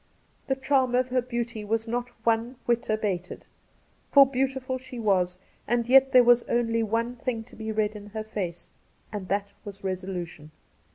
The charm of her beauty was not one whit abated — for beautiful she was ; and yet there was only one thing to be read in her face, and that was resolution.